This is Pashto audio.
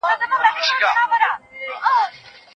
که د ټولني د اړیکو پیاوړتیا راسي، نو پرمختګ به رامنځته سي.